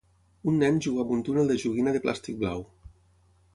Un nen juga amb un túnel de joguina de plàstic blau.